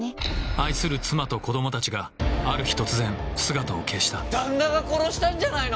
愛する妻と子供たちがある日突然姿を消した旦那が殺したんじゃないの？